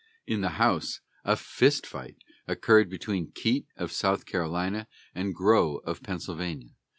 In the House, a fist fight occurred between Keitt of South Carolina, and Grow of Pennsylvania.